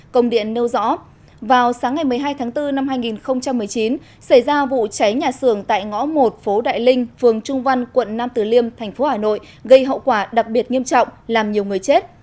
công điện nêu rõ vào sáng ngày một mươi hai tháng bốn năm hai nghìn một mươi chín xảy ra vụ cháy nhà xưởng tại ngõ một phố đại linh phường trung văn quận nam tử liêm thành phố hà nội gây hậu quả đặc biệt nghiêm trọng làm nhiều người chết